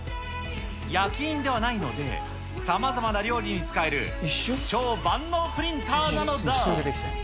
焼き印ではないので、さまざまな料理に使える超万能プリンターなのだ。